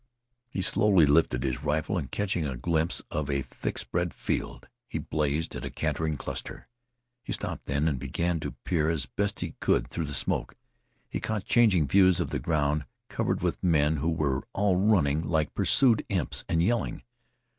He slowly lifted his rifle and catching a glimpse of the thickspread field he blazed at a cantering cluster. He stopped then and began to peer as best he could through the smoke. He caught changing views of the ground covered with men who were all running like pursued imps, and yelling.